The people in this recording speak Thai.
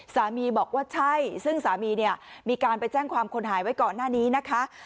สามีบอกว่าใช่ซึ่งสามีเนี่ยมีการไปแจ้งความคนหายไว้ก่อนหน้านี้นะคะ